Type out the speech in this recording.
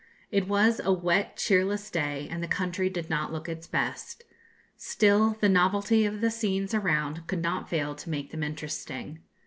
It was a wet cheerless day, and the country did not look its best. Still, the novelty of the scenes around could not fail to make them interesting.